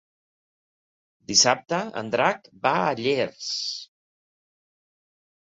Dissabte en Drac va a Llers.